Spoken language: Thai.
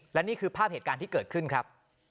และนี่คือภาพเหตุการณ์ที่เกิดขึ้นครับ